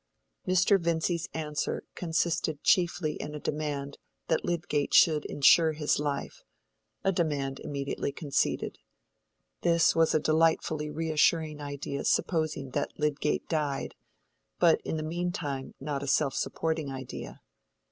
Mr. Vincy's answer consisted chiefly in a demand that Lydgate should insure his life—a demand immediately conceded. This was a delightfully reassuring idea supposing that Lydgate died, but in the mean time not a self supporting idea.